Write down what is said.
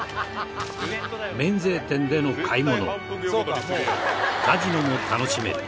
免税店での買い物カジノも楽しめる。